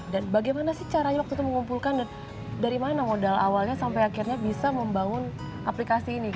dan bagaimana sih caranya waktu itu mengumpulkan dan dari mana modal awalnya sampai akhirnya bisa membangun aplikasi ini